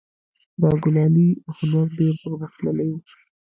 د کلالي هنر ډیر پرمختللی و